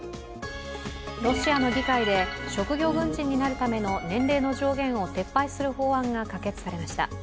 ロシアの議会で職業軍人になるための年齢の上限を撤廃する法案が可決されました。